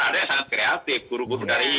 ada yang sangat kreatif guru guru dari